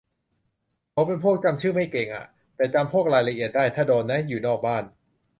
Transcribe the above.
ผมเป็นพวกจำชื่อไม่เก่งอ่ะ แต่จำพวกรายละเอียดได้ ถ้าโดนนะ อยู่นอกบ้านอ่ะ